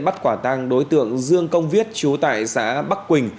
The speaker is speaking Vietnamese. bắt quả tăng đối tượng dương công viết chú tại xã bắc quỳnh